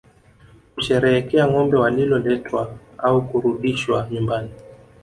Kusherehekea ngombe walioletwa au kurudishwa nyumbani